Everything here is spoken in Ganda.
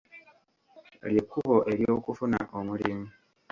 Lye kkubo ery'okufuna omulimu.